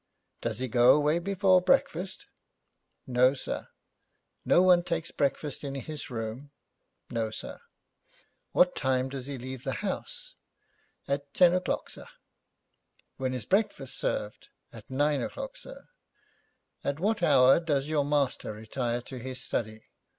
'Does he go away before breakfast?' 'No, sir.' 'No one takes breakfast to his room?' 'No, sir.' 'What time does he leave the house?' 'At ten o'clock, sir.' 'When is breakfast served?' 'At nine o'clock, sir.' 'At what hour does your master retire to his study?'